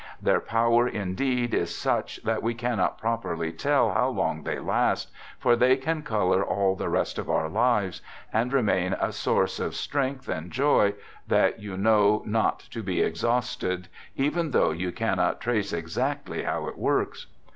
Their power, indeed, is such that we cannot! properly tell how long they last, for they can color J all the rest of our lives, and remain a source of 1 Digitized by 24 "THE GOOD SOLDIER strength and joy that you know not to be exhausted, even though you cannot trace exactly how it works.